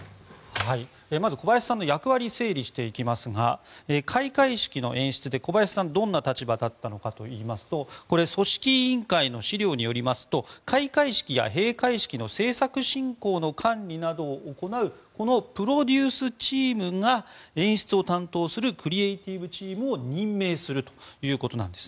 まず小林さんの役割ですが開会式の演出で小林さんがどんな立場だったかといいますと組織委員会の資料によりますと開会式や閉会式の進行の管理などを行うプロデュースチームが演出を担当するクリエーティブチームを任命するということです。